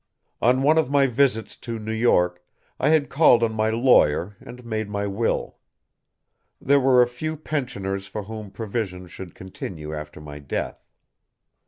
On one of my visits to New York, I had called on my lawyer and made my will. There were a few pensioners for whom provision should continue after my death.